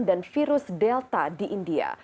dan virus delta di india